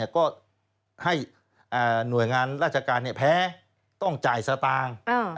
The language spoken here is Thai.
ก็ให้หน่วยงานราชการแพ้ต้องจ่ายสตางค์